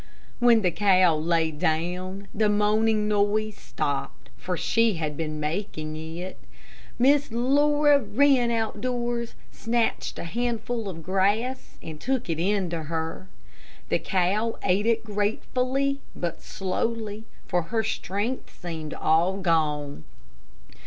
When the cow lay down, the moaning noise stopped, for she had been making it. Miss Laura ran outdoors, snatched a handful of grass and took it in to her. The cow ate it gratefully, but slowly, for her strength seemed all gone.